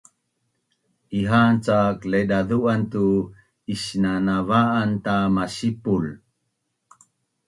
Iha’an cak Laidazu’an tu isnanava’an ta masipul